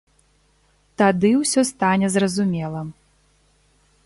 Тады ўсё стане зразумела.